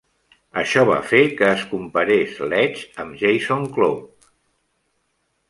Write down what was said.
Això va fer que es comparés Letch amb Jason Cloke.